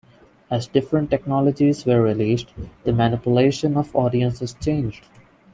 As different technologies were released, the manipulation of audiences changed.